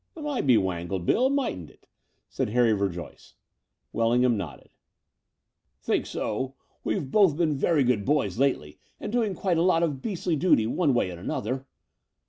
r "Might be wangled, Bill, mightn't it?'* said Harry Verjoyce. . Wellingham nodded. "Think so. We've both been very good boys lately, and doing quite a lot of beastly duty one way and another."